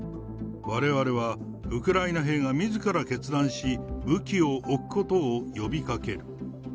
われわれはウクライナ兵がみずから決断し、武器を置くことを呼びかける。